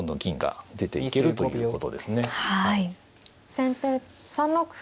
先手３六歩。